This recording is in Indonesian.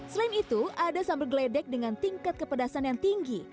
selain itu ada sambal geledek dengan tingkat kepedasan yang tinggi